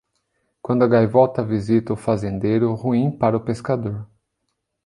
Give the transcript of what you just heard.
Quando a gaivota visita o fazendeiro, ruim para o pescador.